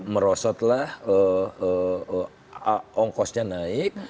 merosotlah ongkosnya naik